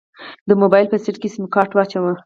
د موبايل په سيټ کې يې سيمکارت واچوه.